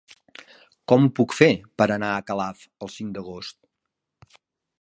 Com ho puc fer per anar a Calaf el cinc d'agost?